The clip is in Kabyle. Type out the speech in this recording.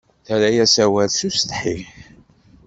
Terra-yas awal s usetḥi